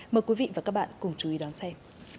mời quý vị và các bạn cùng chú ý đón xem